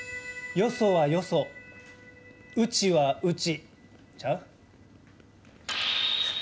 よそはよそ、うちはうち？